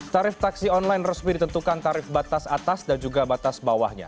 tarif taksi online resmi ditentukan tarif batas atas dan juga batas bawahnya